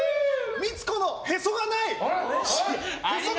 ミツコのへそがない。